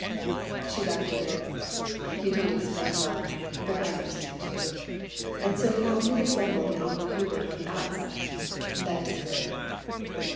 She laughed again. "You do not explain well, but I understand you. And so you only resemble the Uncle Hubert on the outside that is good."